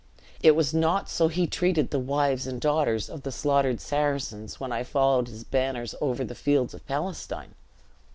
It was not so he treated the wives and daughters of the slaughtered Saracens when I followed his banners over the fields of Palestine!"